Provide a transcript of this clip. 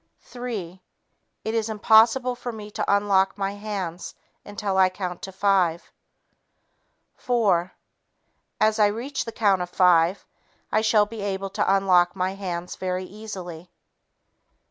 Three ... It is impossible for me to unlock my hands until I count to five. Four ... As I reach the count of five, I shall be able to unlock my hands very easily.